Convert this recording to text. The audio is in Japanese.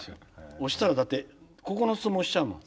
押したらだって９つも押しちゃうもん。